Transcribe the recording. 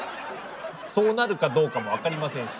そうなるかどうかも分かりませんし。